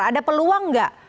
ada peluang gak